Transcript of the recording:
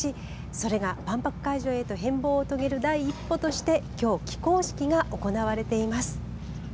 それが万博会場へと変貌を遂げる第一歩としてきょう起工式が行われています。